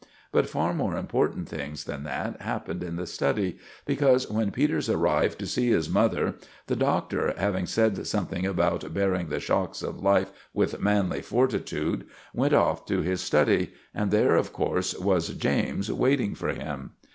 But far more important things than that happened in the study, because when Peters arrived to see his mother, the Doctor, having said something about bearing the shocks of life with manly fortitude, went off to his study, and there, of course, was James waiting for him.